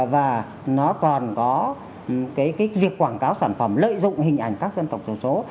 và nó còn có cái cái việc quảng cáo sản phẩm lợi dụng hình ảnh các dân tộc tiểu số